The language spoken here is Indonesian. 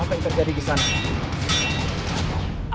apa yang terjadi di sana